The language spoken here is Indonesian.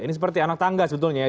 ini seperti anak tangga sebetulnya ya